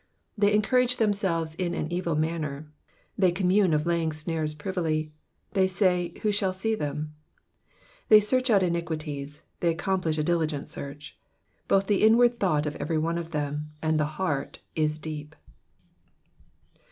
5 They encourage themselves in an evil matter: they com mune of laying snares privily ; they say. Who shall see them } 6 They search out iniquities ; they accomplish a diligent search : both the inward thought of every one of theniy and the heart is deep.